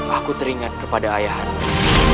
aku teringat kepada ayahanku